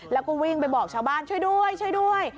แล้วก็วิ่งไปบอกชาวบ้านช่วยด้วยช่วยด้วย